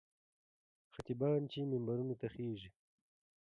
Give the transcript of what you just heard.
خطیبان چې منبرونو ته خېژي.